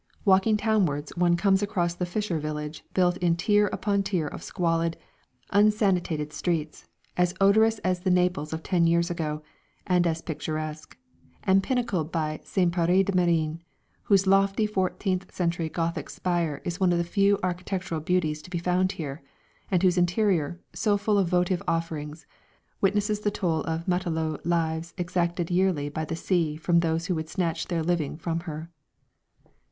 Walking townwards one comes across the fisher village built in tier upon tier of squalid, unsanitated streets, as odorous as the Naples of ten years ago and as picturesque; and pinnacled by St. Pierre des Marins, whose lofty fourteenth century Gothic spire is one of the few architectural beauties to be found here, and whose interior, so full of votive offerings, witnesses the toll of matelot lives exacted yearly by the sea from those who would snatch their living from her.